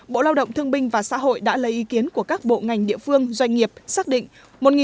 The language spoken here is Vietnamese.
bộ lao động thương binh và xã hội đã lấy ý kiến của các bộ ngành địa phương doanh nghiệp xác định